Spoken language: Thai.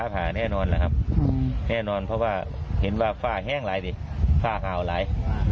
คือสายฟ้าลงมาด้วย